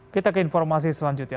kita ke informasi selanjutnya